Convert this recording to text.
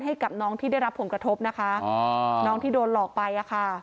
ให้กับน้องที่ได้รับผลกระทบนะคะน้องที่โดนหลอกไปอะค่ะ